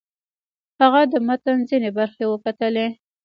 هغه د متن ځینې برخې وکتلې.